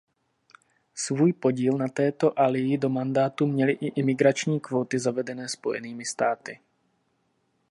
Svůj podíl na této aliji do mandátu měly i imigrační kvóty zavedené Spojenými státy.